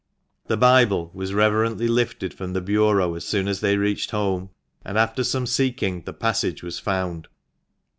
The Bible was reverently lifted from the bureau as soon as they reached home, and after some seeking, the passage was found.